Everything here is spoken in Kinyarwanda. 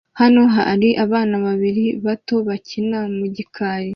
Hano hari abana babiri bato bakinira mu gikari